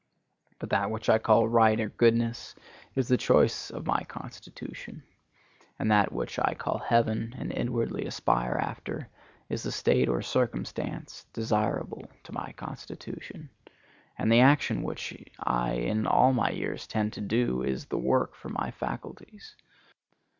But that which I call right or goodness, is the choice of my constitution; and that which I call heaven, and inwardly aspire after, is the state or circumstance desirable to my constitution; and the action which I in all my years tend to do, is the work for my faculties.